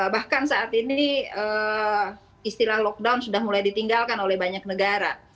bahkan saat ini istilah lockdown sudah mulai ditinggalkan oleh banyak negara